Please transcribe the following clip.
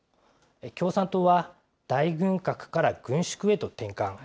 共産党は、大軍拡から軍縮へと転換。